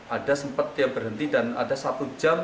ada sempat dia berhenti dan ada satu jam